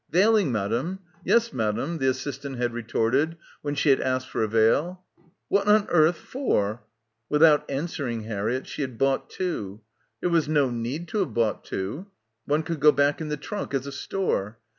"Veiling, moddom? Yes, moddom," the assistant had retorted when she had asked for a veil. "Wot on earth fower?" ... Without answering Harriett she had bought two. There was no need to have bought two. One could go back in the trunk as a store.